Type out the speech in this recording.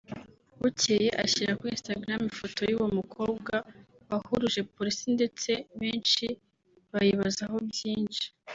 bukeye ashyira kuri Instagram ifoto y’uwo mukobwa wahuruje Polisi ndetse benshi bayibazaho byinshi